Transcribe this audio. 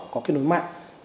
có kết nối mạng